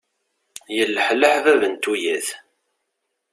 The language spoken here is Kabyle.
Yelleḥleḥ bab n tuyat.